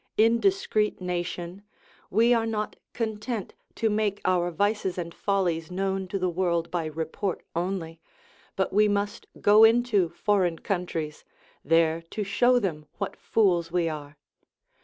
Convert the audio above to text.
Indiscreet nation! we are not content to make our vices and follies known to the world by report only, but we must go into foreign countries, there to show them what fools we are.